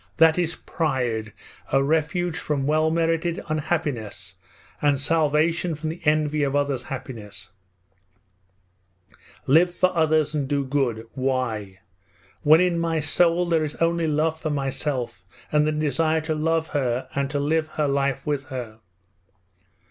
That is pride, a refuge from well merited unhappiness, and salvation from the envy of others' happiness: "Live for others, and do good!" Why? when in my soul there is only love for myself and the desire to love her and to live her life with her?